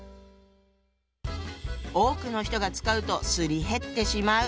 多くの人が使うとすり減ってしまう。